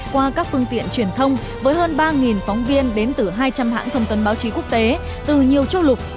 qua các phương tiện truyền thông với hơn ba phóng viên đến từ hai trăm linh hãng thông tấn báo chí quốc tế từ nhiều châu lục